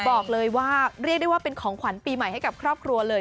บอกเลยว่าเรียกได้ว่าเป็นของขวัญปีใหม่ให้กับครอบครัวเลย